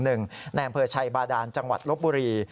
แน่งเผลอชัยบาดานจังหวัดลบบุรี